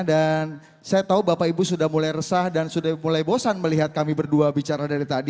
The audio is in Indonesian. dan saya tahu bapak ibu sudah mulai resah dan sudah mulai bosan melihat kami berdua bicara dari tadi